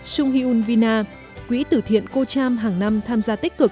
sunghyun vina quỹ tử thiện cô tram hàng năm tham gia tích cực